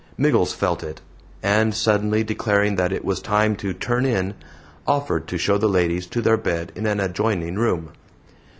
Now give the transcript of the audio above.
Miggles felt it; and, suddenly declaring that it was time to "turn in," offered to show the ladies to their bed in an adjoining room.